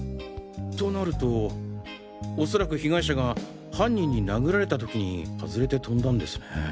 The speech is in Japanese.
となると恐らく被害者が犯人に殴られた時にはずれて飛んだんですね。